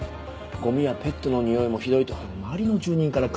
ゴミやペットのにおいもひどいと周りの住人から苦情だらけで。